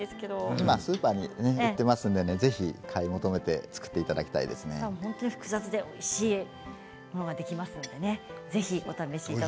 今、スーパーに売っていますのでぜひ買い求めて複雑でおいしいものができます。